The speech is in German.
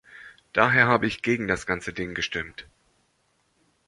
Daher habe ich gegen das ganze Ding gestimmt.